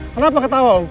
kenapa ketawa om